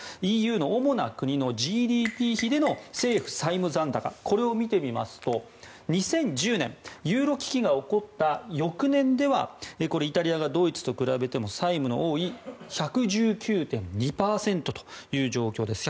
ＥＵの主な国のＧＤＰ比での政府債務残高を見てみますと２０１０年ユーロ危機が起こった翌年ではイタリアがドイツと比べても債務の多い、１１９．２％という状況です。